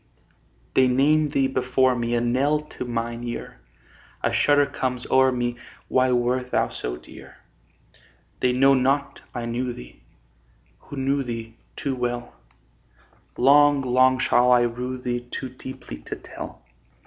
They name thee before me, A knell to mine ear; A shudder comes o'er me Why wert thou so dear? They know not I knew thee, Who knew thee too well: Long, long shall I rue thee, Too deeply to tell.